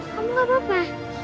kamu gak apa apa